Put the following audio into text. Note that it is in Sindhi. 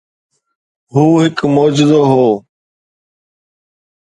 هو هڪ معجزو هو.